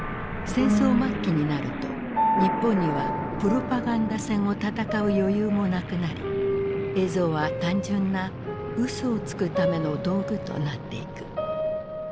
戦争末期になると日本にはプロパガンダ戦を戦う余裕もなくなり映像は単純な嘘をつくための道具となっていく。